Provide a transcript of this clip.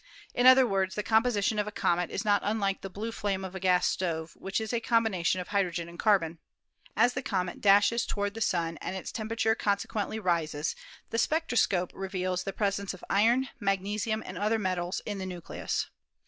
In other words, the composition of a comet is not unlike the blue flame of a gas stove, which is a combination of hydrogen and carbon. As the comet dashes toward the Sun and its temperature consequently rises, the spectroscope reveals the presence of iron, mag nesium, and other metals in the nucleus.